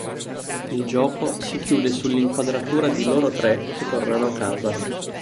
Il gioco si chiude sull'inquadratura di loro tre che tornano a casa.